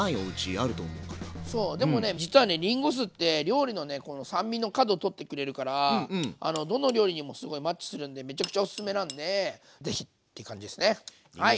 そうでも実はリンゴ酢って料理のこの酸味のカド取ってくれるからどの料理にもすごいマッチするんでめちゃくちゃおすすめなんで是非って感じですねはい！